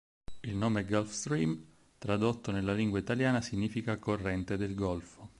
Il nome Gulfstream tradotto nella lingua italiana significa "corrente del Golfo".